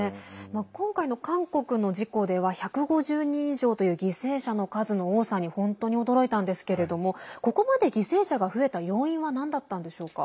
今回の韓国の事故では１５０人以上という犠牲者の数の多さに本当に驚いたんですけれどもここまで犠牲者が増えた要因は何だったんでしょうか？